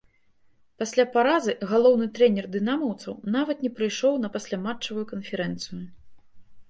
Пасля паразы галоўны трэнер дынамаўцаў нават не прыйшоў на пасляматчавую канферэнцыю.